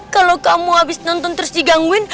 kalau kamu habis nonton terus digangguin